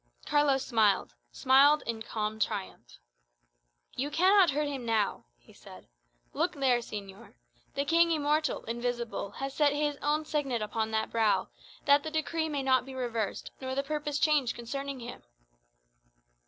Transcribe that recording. Carlos smiled smiled in calm triumph. "You cannot hurt him now," he said. "Look there, señor. The King immortal, invisible, has set his own signet upon that brow, that the decree may not be reversed nor the purpose changed concerning him."